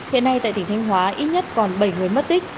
hiện nay tại tỉnh thanh hóa ít nhất còn bảy người mất tích